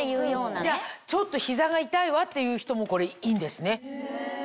じゃあちょっと膝が痛いわっていう人もこれいいんですね。